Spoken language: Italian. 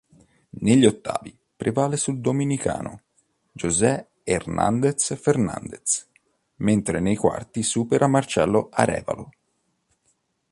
Negli ottavi prevale sul dominicano José Hernandez-Fernandez, mentre nei quarti supera Marcelo Arévalo.